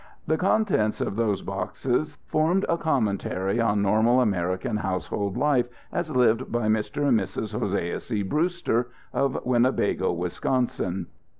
The contents of those boxes formed a commentary on normal American household life as lived by Mr. and Mrs. Hosea C. Brewster, of Winnebago, Wisconsin.